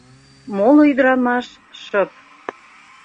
Моло ӱдырамаш шып.